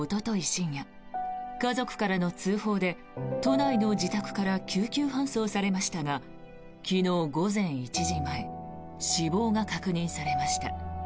深夜家族からの通報で都内の自宅から救急搬送されましたが昨日午前１時前死亡が確認されました。